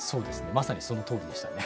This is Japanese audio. まさにそのとおりでしたね。